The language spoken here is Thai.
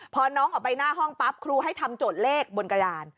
พอน้องออกไปหน้าห้องปั๊บครูให้ทำโจทย์เลขบนกระดาน